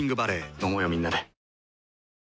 飲もうよみんなで。